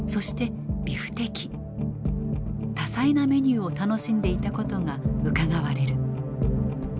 多彩なメニューを楽しんでいたことがうかがわれる。